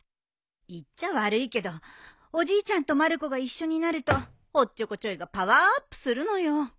言っちゃ悪いけどおじいちゃんとまる子が一緒になるとおっちょこちょいがパワーアップするのよ。